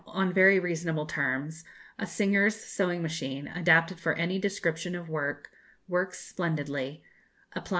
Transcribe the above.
On very reasonable terms, a Singer's sewing machine, adapted for any description of work; works splendidly: apply at No.